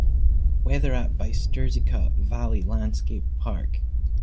Weather at Bystrzyca Valley Landscape Park